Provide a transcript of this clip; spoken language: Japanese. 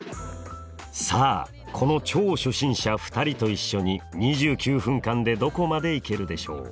さあこの超初心者２人と一緒に２９分間でどこまでいけるでしょう？